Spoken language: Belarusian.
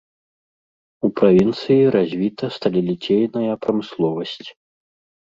У правінцыі развіта сталеліцейная прамысловасць.